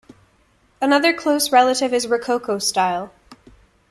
Another close relative is rococo style.